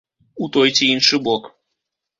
У той ці іншы бок.